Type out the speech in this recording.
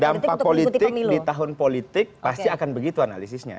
dampak politik di tahun politik pasti akan begitu analisisnya